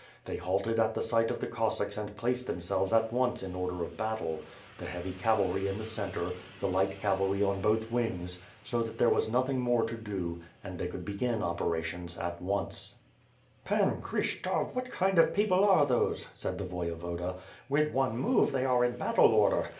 They halted at the sight of the Cossacks and placed themselves at once in order of battle, the heavy cavalry in the centre, the light cavalry on both wings, so that there was nothing more to do, and they could begin operations at once. 340 ^^TH FIRE AND SWORD. "Pan Kryshtof, what kind of people are those," said the Voyevoda. "With one move they are in battle order.